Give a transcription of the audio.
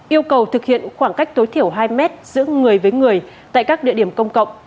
yêu cầu thực hiện khoảng cách tối thiểu hai mét giữa người với người tại các địa điểm công cộng